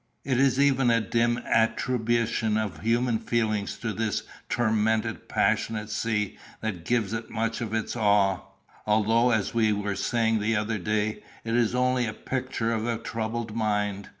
It is even a dim attribution of human feelings to this tormented, passionate sea that gives it much of its awe; although, as we were saying the other day, it is only a picture of the troubled mind.